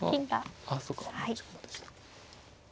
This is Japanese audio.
あそうか持ち駒でしたか。